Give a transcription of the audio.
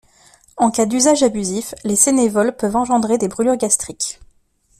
En cas d'usage abusif, les sénévols peuvent engendrer des brûlures gastriques.